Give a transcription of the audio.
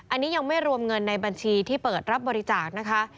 อันนี้ยังไม่รวมเงินในบัญชีที่เปิดรับบริจาคนะคะ